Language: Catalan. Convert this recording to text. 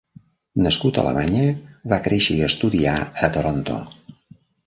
Nascut a Alemanya, va créixer i estudiar a Toronto.